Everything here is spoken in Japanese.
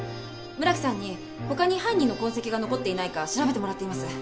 村木さんに他に犯人の痕跡が残っていないか調べてもらっています。